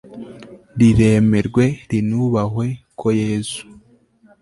riremerwe rinubahwe, ko yezu